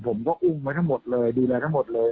ผมก็อุ้มไว้ทั้งหมดเลยดูแลทั้งหมดเลย